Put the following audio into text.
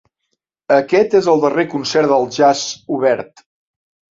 Aquest és el darrer concert del Jazz Obert.